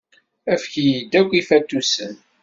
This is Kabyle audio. Efk-iyi-d akk ifatusen.